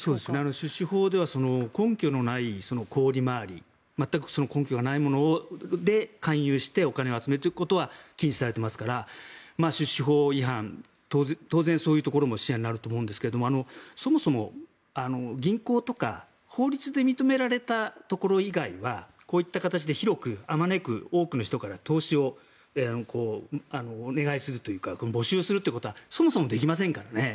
出資法では根拠のない高利回り全く根拠がないもので勧誘してお金を集めるということは禁止されていますから出資法違反当然そういうところも視野になると思うんですがそもそも銀行とか法律で認められたところ以外はこういった形で広くあまねく多くの人から投資をお願いするというか募集するということはそもそもできませんからね。